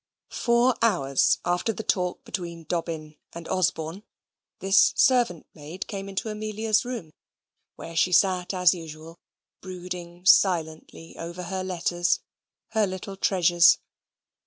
Four hours after the talk between Dobbin and Osborne, this servant maid came into Amelia's room, where she sate as usual, brooding silently over her letters her little treasures.